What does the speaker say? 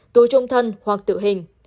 tù trung thân hoặc tự hình